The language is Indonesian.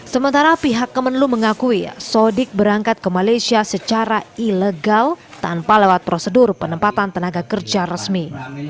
sementara pihak kemenlu mengakui sodik berangkat ke malaysia secara ilegal tanpa lewat prosedur penempatan tenaga kerja resmi